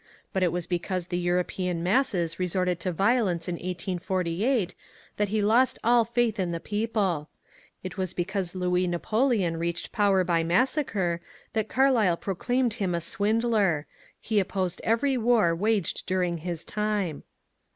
But it was be cause the European masses resorted to violence in 1848 that 402 MONCUBE DANIEL CONWAY he lost all faith in the people ; it wias because Louis Na poleon reached power by massacre that Carlyle proclaimed him a ^^ swindler ;" he opposed every war waged during his time.